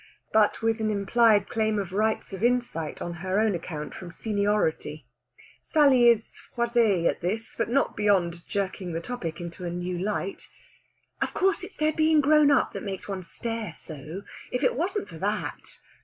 But with an implied claim to rights of insight, on her own account, from seniority. Sally is froissée at this, but not beyond jerking the topic into a new light. "Of course, it's their being grown up that makes one stare so. If it wasn't for that...."